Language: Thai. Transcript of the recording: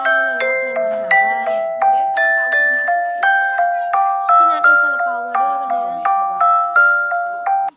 เอ้าพี่ไปขอบคุณ